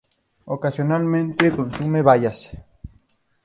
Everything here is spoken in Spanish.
Ocasionalmente consume bayas.